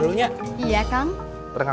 aduh ampun seth